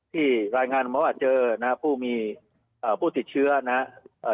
ที่รายงานมาว่าเจอนะฮะผู้มีอ่าผู้ติดเชื้อนะครับ